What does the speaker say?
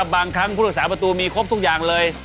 บางครั้งผู้รักษาประตูมีครบทุกอย่างเลย